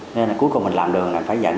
nên cuối cùng mình làm đường là phải dẫn